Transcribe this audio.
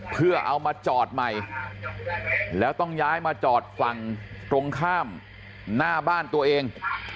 เพื่อเอามาจอดใหม่แล้วต้องย้ายมาจอดฝั่งตรงข้ามหน้าบ้านตัวเอง